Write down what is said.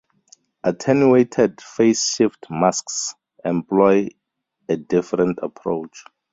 "Attenuated phase-shift masks" employ a different approach.